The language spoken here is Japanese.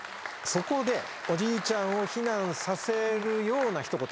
そこでおじいちゃんを避難させるようなひと言。